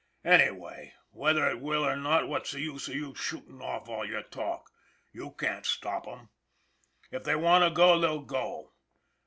Anyway, whether it will or not, what's the use of you shootin' off all your talk? You can't stop 'em! If they want to go, they'll go.